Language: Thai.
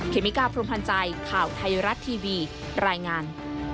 เมกาพรมพันธ์ใจข่าวไทยรัฐทีวีรายงาน